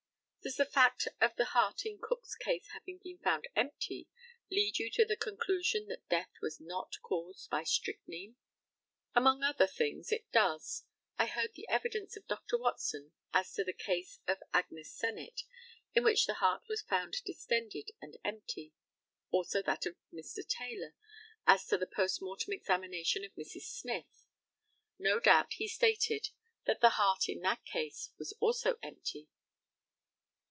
Does the fact of the heart in Cook's case having been found empty lead you to the conclusion that death was not caused by strychnine? Among other things it does. I heard the evidence of Dr. Watson as to the case of Agnes Sennet, in which the heart was found distended and empty; also, that of Mr. Taylor as to the post mortem examination of Mrs. Smyth. No doubt he stated that the heart in that case also was empty.